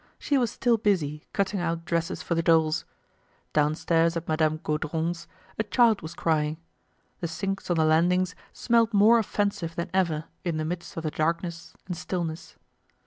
She was still busy cutting out dresses for the dolls. Downstairs at Madame Gaudron's, a child was crying. The sinks on the landings smelled more offensive than ever in the midst of the darkness and stillness.